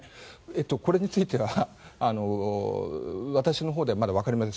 これについては私のほうではまだわかりません。